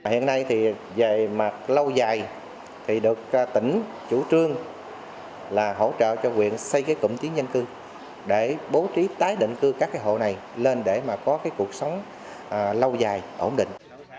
hiện nay về mặt lâu dài thì được tỉnh chủ trương là hỗ trợ cho quyền xây cái cụm chiến nhân cư để bố trí tái định cư các hộ này lên để có cuộc sống lâu dài ổn định